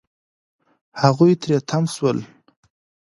هغوی تری تم شول.